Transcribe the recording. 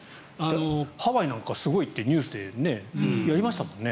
ハワイなんかすごいってニュースでやりましたよね。